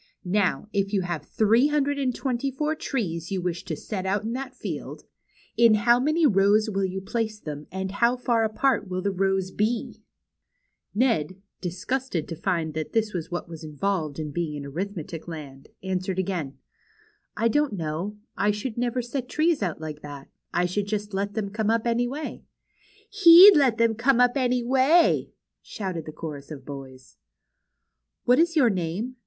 Now, if you have three hundred and twenty four trees you wish to set out in that field, in how many rows will you place them, and how far apart will the rows be ?" Ned, disgusted to find that this was what was involved in being in Arithmetic Land, answered again : I don't know. I should never set trees out like that. I should just let them come up any way." He'd just let them come up any way !" shouted the chorus of boys. What is your name